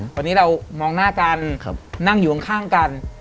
วันนี้เรามองหน้ากันนั่งอยู่ข้างกัน